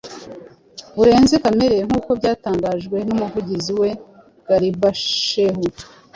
burenze kamere", nkuko byatangajwe n'umuvugizi we Garba Shehu.